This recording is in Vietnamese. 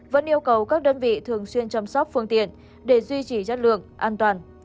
vẫn yêu cầu các đơn vị thường xuyên chăm sóc phương tiện để duy trì chất lượng an toàn